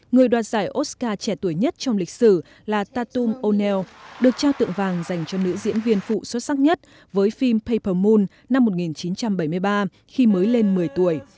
người đoạt giải oscar trẻ tuổi nhất trong lịch sử là tatum oneil được trao tượng vàng dành cho nữ diễn viên phụ xuất sắc nhất với phim payper moon năm một nghìn chín trăm bảy mươi ba khi mới lên một mươi tuổi